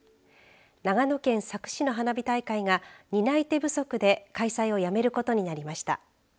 長野県佐久市の花火大会が担い手不足で開催をやめることになりました。